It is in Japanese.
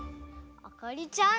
あかりちゃん。